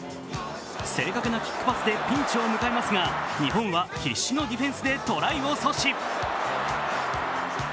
正確なキックパスでピンチを迎えますが、日本は必死のディフェンスでトライを阻止。